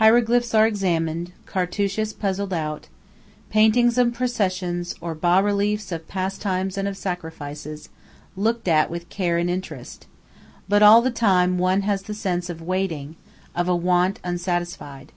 Hieroglyphs are examined, cartouches puzzled out, paintings of processions, or bas reliefs of pastimes and of sacrifices, looked at with care and interest; but all the time one has the sense of waiting, of a want unsatisfied.